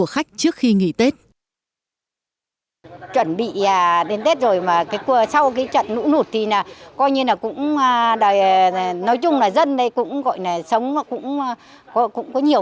phải chứng kiến và trải qua rất nhiều trận lũ